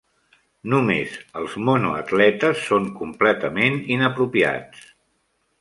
Només els monoatletes són completament inapropiats.